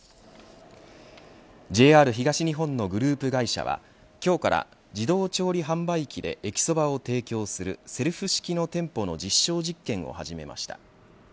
ＪＲ東日本のグループ会社は今日から自動調理販売機で駅そばを提供するセルフ式の店舗の実証実験を始めました。